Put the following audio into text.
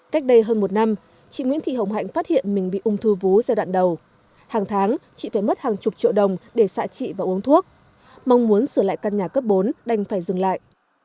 cách đây hơn một năm chị nguyễn thị hồng hạnh phát hiện mình bị ung thư vú giai đoạn đầu hàng tháng chị phải mất hàng chục triệu đồng để xạ chị và uống thuốc mong muốn sửa lại căn nhà cấp bốn đành phải dừng lại